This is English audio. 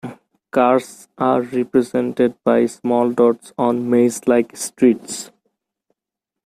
Cars are represented by small dots on maze-like streets.